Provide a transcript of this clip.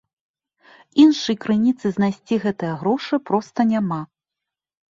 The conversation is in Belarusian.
Іншай крыніцы знайсці гэтыя грошы проста няма.